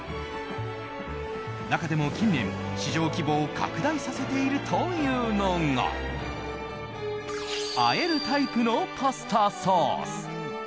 中でも近年、市場規模を拡大させているというのがあえるタイプのパスタソース。